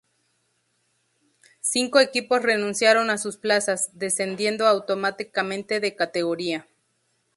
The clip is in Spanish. Cinco equipos renunciaron a sus plazas, descendiendo automáticamente de categoría.